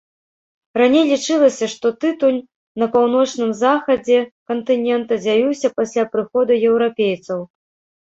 Раней лічылася, што тытунь на паўночным захадзе кантынента з'явіўся пасля прыходу еўрапейцаў.